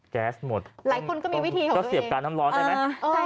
แก๊สหมดหลายคนก็มีวิธีค่ะก็เสียบการน้ำร้อนได้ไหม